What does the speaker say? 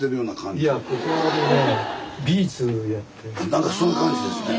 なんかそういう感じですね。